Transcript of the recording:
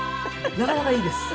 なかなかいいです。